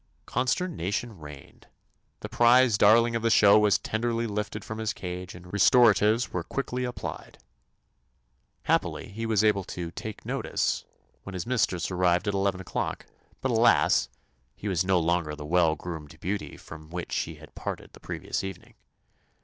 Consternation reigned. The prize darling of the show was tenderly lifted from his cage and restoratives were quickly applied. Happily, he was able ''to take notice" when his 141 THE ADVENTURES OF mistress arrived at eleven o'clock, but, alas I he was no longer the well groomed beauty from which she had parted the previous evening.